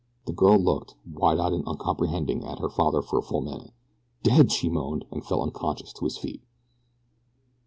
The girl looked, wide eyed and uncomprehending, at her father for a full minute. "Dead!" she moaned, and fell unconscious at his feet.